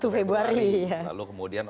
satu februari lalu kemudian